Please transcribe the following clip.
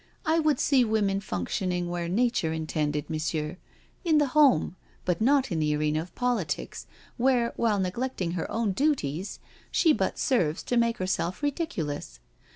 I would see women functioning where Nature intended. Monsieur — in the home, but not in the arena of politics, where, while neglecting her own duties, she but serves to m^e herself ridiculous.